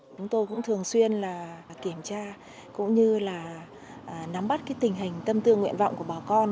chúng tôi cũng thường xuyên kiểm tra cũng như là nắm bắt tình hình tâm tư nguyện vọng của bà con